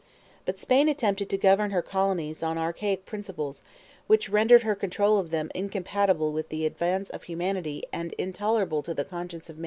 But Spain attempted to govern her colonies on archaic principles which rendered her control of them incompatible with the advance of humanity and intolerable to the conscience of mankind.